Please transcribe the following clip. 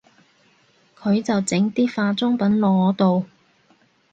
佢就整啲化妝品落我度